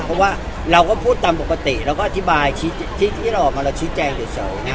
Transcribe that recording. เพราะว่าเราก็พูดตามปกติเราก็อธิบายที่เราออกมาเราชี้แจงเฉย